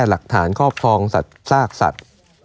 หลักฐานครอบครองสัตว์ซากสัตว์